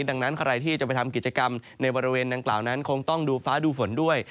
ดังนั้นใครที่จะไปทำกิจกรรมในบริเวณดังกล่าวนั้นคงต้องดูฟ้าดูฝนด้วย